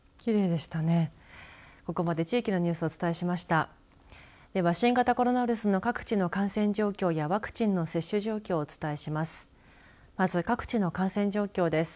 では新型コロナウイルスの各地の感染状況やワクチンの接種状況をお伝えします。